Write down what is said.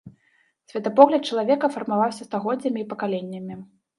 Светапогляд чалавека фармаваўся стагоддзямі і пакаленнямі.